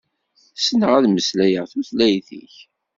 Ssneɣ ad meslayeɣ tutlayt-ik.